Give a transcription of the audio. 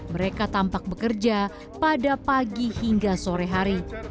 mereka tampak bekerja pada pagi hingga sore hari